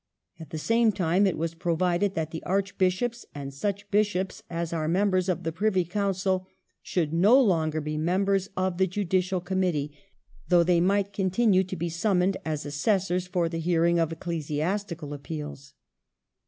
At the same time it pj ivy was provided that the Archbishops and such Bishops as are^ou^cil members of the Privy Council should no longer be members of the Judicial Committee, though they might continue to be summoned as assessors, for the hearing of ecclesiastical appeals.